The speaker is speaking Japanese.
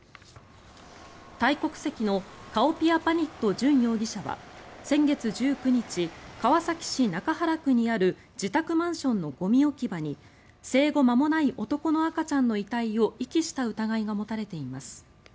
タイ国籍のカオピアパニット・ジュン容疑者は先月１９日、川崎市中原区にある自宅マンションのゴミ置き場に生後間もない男の赤ちゃんの遺体を遺棄した疑いが持たれています。